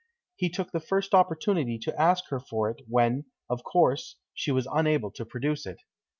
He took the first opportunity to ask her for it, when, of course, she was unable to produce it.